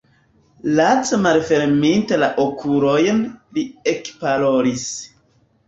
Lace malferminte la okulojn, li ekparolis: